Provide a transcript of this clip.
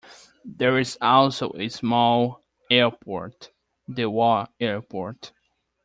There is also a small airport, the Wa Airport.